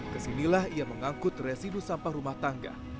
kesinilah ia mengangkut residu sampah rumah tangga